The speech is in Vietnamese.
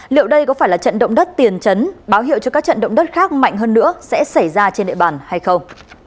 liệu đây có phải là trận động đất tiền chấn báo hiệu cho các trận động đất khác mạnh hơn nữa sẽ xảy ra trên địa bàn hay không